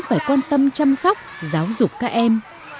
phải quan tâm chăm sóc giáo dục các em